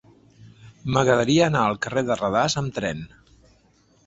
M'agradaria anar al carrer de Radas amb tren.